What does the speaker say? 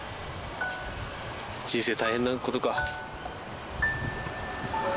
人生大変なことか。